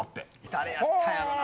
誰やったんやろうな？